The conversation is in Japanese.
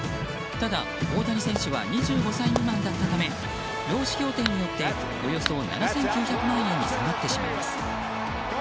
ただ、大谷選手は２５歳未満だったため労使協定によっておよそ７９００万円に下がってしまいます。